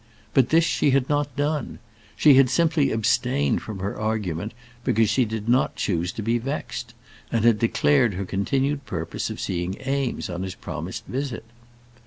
But this she had not done. She had simply abstained from her argument because she did not choose to be vexed, and had declared her continued purpose of seeing Eames on his promised visit.